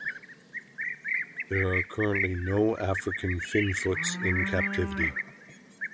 There are currently no African finfoots in captivity.